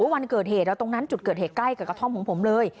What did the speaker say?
วันเกิดเหตุตรงนั้นจุดเกิดเหตุใกล้กับกระท่อมของผมเลย